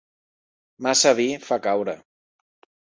Massa vi fa caure.